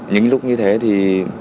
những lúc như thế thì